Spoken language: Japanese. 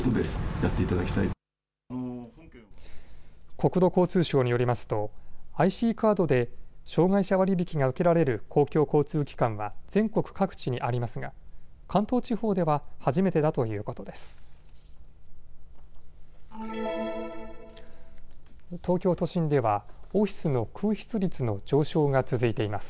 国土交通省によりますとＩＣカードで障害者割引が受けられる公共交通機関は全国各地にありますが、関東地方では初めてだということです。